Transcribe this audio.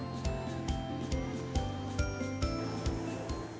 sampai ketemu di video selanjutnya